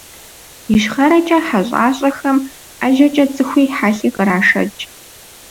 Ищхъэрэкӏэ хьэ щӏащӏэхэм ӏэжьэкӏэ цӏыхуи хьэлъи кърашэкӏ.